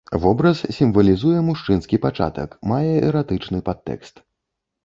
Вобраз сімвалізуе мужчынскі пачатак, мае эратычны падтэкст.